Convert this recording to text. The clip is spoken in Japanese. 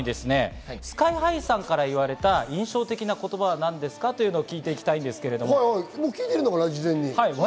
メンバーにＳＫＹ−ＨＩさんから言われた印象的な言葉は何ですかというのを聞いていきたいです。